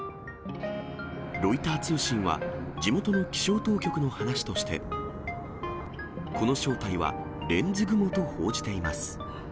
ロイター通信は地元の気象当局の話として、この正体はレンズ雲と報じています。